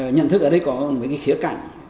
nhận thức ở đây có mấy cái khía cạnh